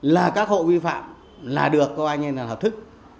là các hộ vi phạm là được coi như là hợp thức